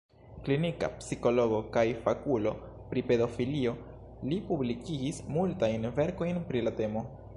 Klinika psikologo kaj fakulo pri pedofilio, li publikigis multajn verkojn pri la temo.